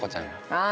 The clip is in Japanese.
ああ。